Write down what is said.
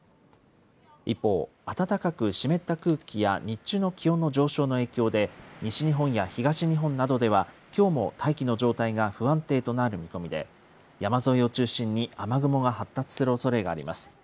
一方、暖かく湿った空気や日中の気温の上昇の影響で、西日本や東日本などでは、きょうも大気の状態が不安定となる見込みで、山沿いを中心に、雨雲が発達するおそれがあります。